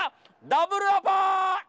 ダブルアパー！